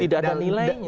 tidak ada nilainya